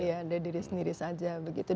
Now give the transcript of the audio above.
iya dari diri sendiri saja begitu